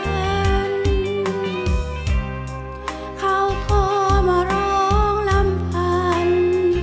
แฟนของฉันเขาโทรมาร้องลำพันธ์